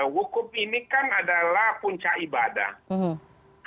wukuf ini kan adalah puncak ibadah